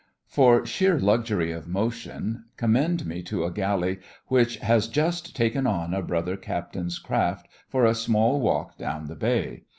For sheer luxury of motion, commend me to a galley which has just "taken on" a brother captain's craft for a small walk down the bay.